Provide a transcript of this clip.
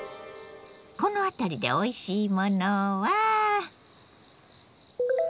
この辺りでおいしいものは？